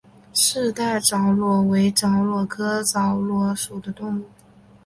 四带枣螺为枣螺科枣螺属的动物。